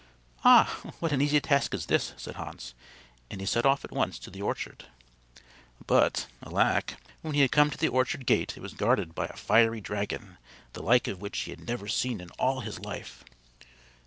"Ah, what an easy task is this," said Hans, and he set off at once to the orchard. But, alack, when he had come to the orchard gate it was guarded by a fiery dragon, the like of which he had never seen in all his life!